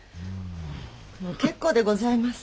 もう結構でございます。